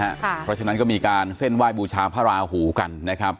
เพราะฉะนั้นก็มีการเส้นไหว้บูชาพระราหูกันนะครับ